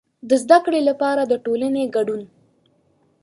د زده کړې لپاره د ټولنې کډون.